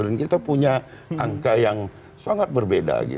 dan kita punya angka yang sangat berbeda